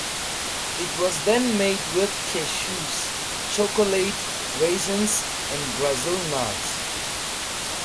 It was then made with cashews, chocolate, raisins and Brazil nuts.